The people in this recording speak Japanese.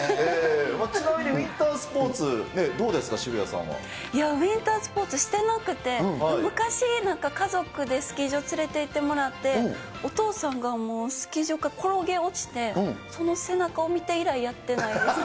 ちなみにウインタースポーツ、どうですか、ウインタースポーツしてなくて、昔、なんか家族でスキー場連れていってもらって、お父さんがもうスキー場から転げ落ちて、その背中を見て以来やってないです。